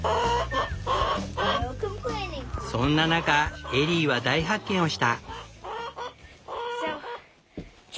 そんな中エリーは大発見をした。